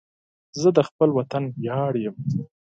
زه د خپل وطن ویاړ یم